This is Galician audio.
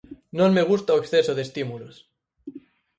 Non me gusta o exceso de estímulos.